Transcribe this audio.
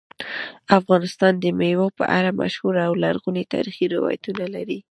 افغانستان د مېوو په اړه مشهور او لرغوني تاریخی روایتونه لري.